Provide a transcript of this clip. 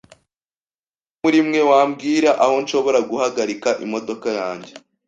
Ninde muri mwe wambwira aho nshobora guhagarika imodoka yanjye?